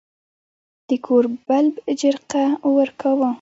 د کور بلب جرقه ورکاوه.